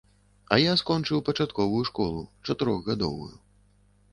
А я скончыў пачатковую школу, чатырохгадовую.